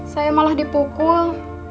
saya malah dipukul